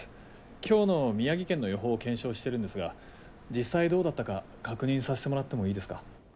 今日の宮城県の予報を検証してるんですが実際どうだったか確認させてもらってもいいですか？